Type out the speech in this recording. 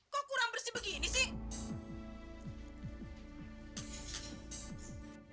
kok kurang bersih begini sih